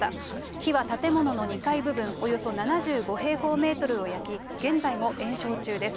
火は建物の２階部分、およそ７５平方メートルを焼き、現在も延焼中です。